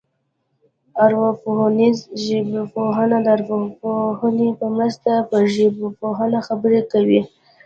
ارواپوهنیزه ژبپوهنه د ارواپوهنې په مرسته پر ژبپوهنه خبرې کوي